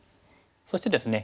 そしてですね